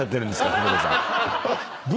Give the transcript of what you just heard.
久保田さん。